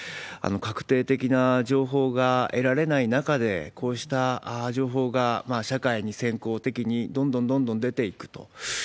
確定的な情報が得られない中で、こうした情報が社会に先行的にどんどんどんどん出ていくと。